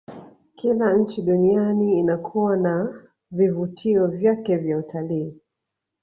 kila nchi duniani inakuwa na vivutio vyake vya utaliii